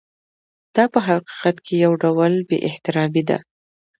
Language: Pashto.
دا په حقیقت کې یو ډول بې احترامي ده.